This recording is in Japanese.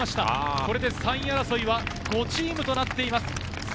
これで３位争いは５チームとなっています。